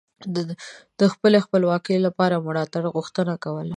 د خپلې خپلواکۍ لپاره د ملاتړ غوښتنه کوله